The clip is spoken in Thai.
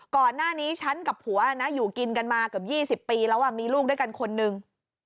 ก่อนหน้านี้ฉันกับผัวนะอยู่กินกันมาเกือบ๒๐ปีแล้วมีลูกด้วยกันคนนึง